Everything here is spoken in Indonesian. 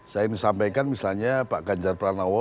saya ingin sampaikan misalnya pak ganjar pranowo